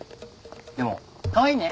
でもかわいいね。